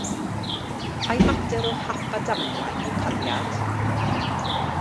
Ai mater o hap a damwain yw cariad?